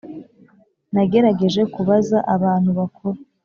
Nagerageje kubaza abantu bakuru